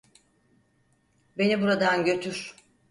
Beni buradan götür.